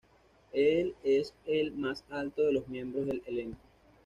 Él es el más alto de los miembros del elenco.